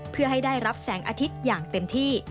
เพื่อให้ได้รับแสงอาทิตย์อย่างเต็มที่